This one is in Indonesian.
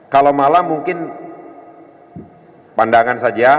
kalau malam mungkin pandangan saja